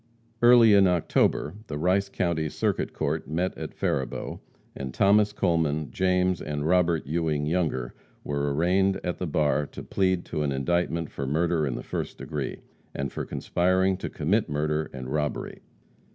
Early in October, the Rice County Circuit Court met at Faribault, and Thomas Coleman, James and Robert Ewing Younger were arraigned at the bar to plead to an indictment for murder in the first degree, and for conspiring to commit murder and robbery.